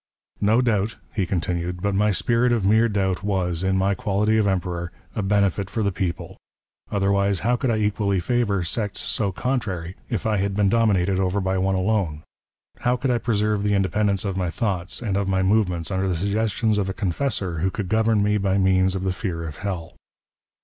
" No doubt," he conthiued, " but my spirit of mere doubt " was, in my quality of Emperor, a benefit for the people. " Otherwise how could I equally favour sects so contrary, if " I had been dominated over by one alone ? How could I pre " serve the independence of my thoughts and of my movements " under the suggestions of a confessor who could govern me by " Qieans of the fear of hell.